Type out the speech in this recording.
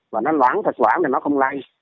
và nó loãng thật loãng thì nó không lây